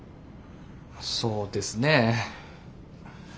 そうですねぇ。